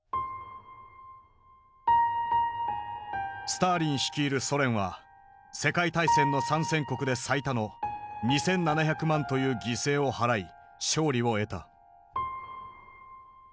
スターリン率いるソ連は世界大戦の参戦国で最多の２，７００万という犠牲を払い勝利を得た。